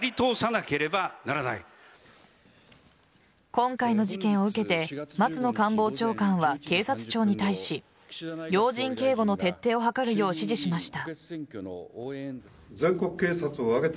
今回の事件を受けて松野官房長官は警察庁に対し要人警護の徹底を図るよう指示しました。